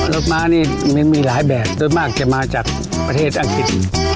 รถม้านี่มีหลายแบบรถม้าอาจจะมาจากประเทศอังกฤษ